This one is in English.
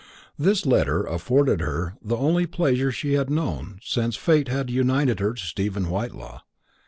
This letter afforded her the only pleasure she had known since fate had united her to Stephen Whitelaw.